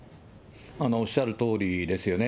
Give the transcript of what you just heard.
おっしゃるとおりですよね。